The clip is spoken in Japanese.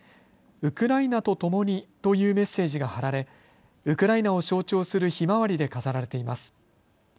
ウクライナと共にというメッセージが貼られ、ウクライナを象徴するひまわりで飾られています。